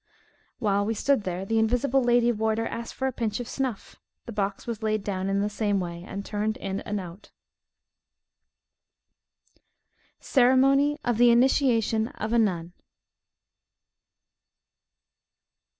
While we stood there, the invisible lady warder asked for a pinch of snuff; the box was laid down in the same way, and turned in and out. CEREMONY OF THE INITIATION OF A NUN.